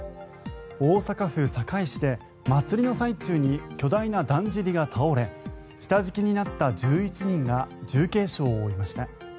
大阪府堺市で祭りの最中に巨大なだんじりが倒れ下敷きになった１１人が重軽傷を負いました。